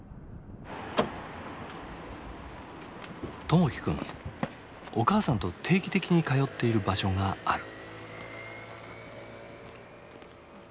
友輝くんお母さんと定期的に通っている場所がある。